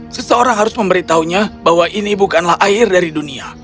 seseorang harus memberitahunya bahwa ini bukanlah air dari dunia